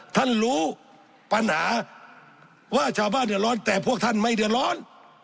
ท่านรู้ปัญหาว่าชาวบ้านเดือดร้อนแต่พวกท่านไม่เดือดร้อน